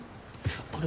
あれ？